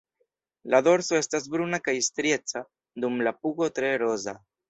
La dorso estas bruna kaj strieca, dum la pugo tre roza.